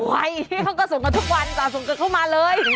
เว้ยเขาก็ส่งมาทุกวันส่งเกิดเข้ามาเลย